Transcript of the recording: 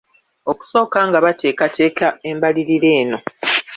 Okusooka nga bateekateeka embalirira eno.